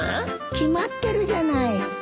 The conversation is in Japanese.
決まってるじゃない。